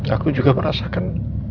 aku juga merasakan